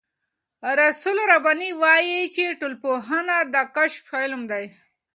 رسول رباني وايي چې ټولنپوهنه د کشف علم دی.